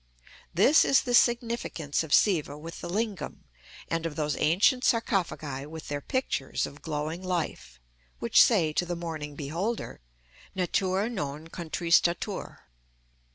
This is the significance of Siva with the lingam, and of those ancient sarcophagi with their pictures of glowing life, which say to the mourning beholder, Natura non contristatur.